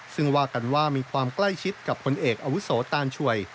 ซึ่งว่ากันว่ามีความใกล้ชิดกับพลเอกอาวุโสตานช่วย